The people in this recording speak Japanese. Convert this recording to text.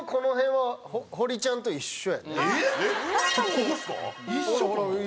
ここですか？